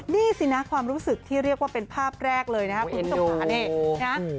นี่สินะความรู้สึกที่เรียกว่าเป็นภาพแรกเลยนะครับคุณผู้ชมค่ะนี่นะ